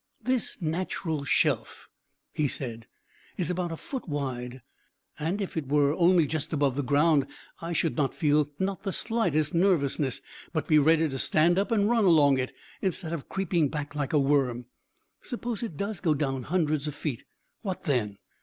"This natural shelf," he said, "is about a foot wide, and if it were only just above the ground I should feel not the slightest nervousness, but be ready to stand up and run along it, instead of creeping back like a worm. Suppose it does go down hundreds of feet, what then?